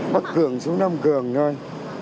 bắc cường xuống nam cường thôi